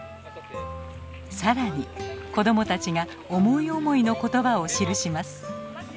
更に子供たちが思い思いの言葉を記します。